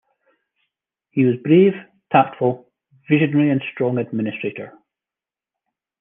He was brave, tactful, visionary and strong administrator.